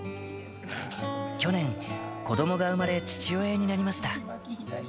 去年、子どもが産まれ、父親になりました。